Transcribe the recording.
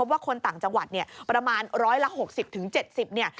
ว่าคนต่างจังหวัดเนี่ยประมาณ๑๖๐๗๐เนี่ย